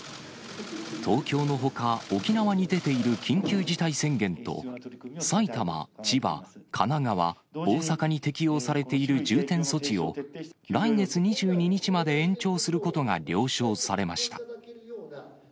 東京のほか、沖縄に出ている緊急事態宣言と、埼玉、千葉、神奈川、大阪に適用されている重点措置を、来月２２日まで延長することが了承されました。